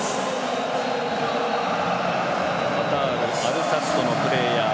カタールアルサッドのプレーヤー